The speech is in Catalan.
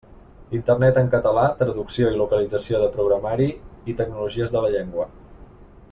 Internet en català, Traducció i localització de programari i Tecnologies de la llengua.